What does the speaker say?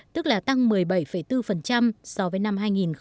tức là tăng một mươi bảy bốn so với năm hai nghìn một mươi bảy